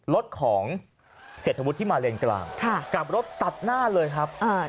รถของเศรษฐวุฒิที่มาเลนกลางค่ะกลับรถตัดหน้าเลยครับอ่า